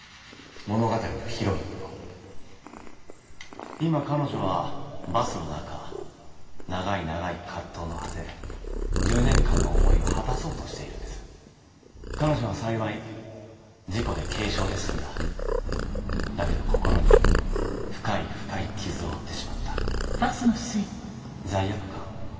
物語のヒロインを今彼女はバスの中長い長い葛藤の果て１０年間の思いを果たそうとしているんです彼女は幸い事故で軽傷で済んだだけど心に深い深い傷を負ってしまった罪悪感？